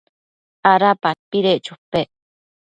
¿ada padpedec chopec?